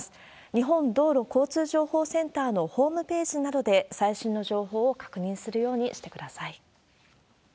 日本道路交通情報センターのホームページなどで、最新の情報を確認するようにしてください。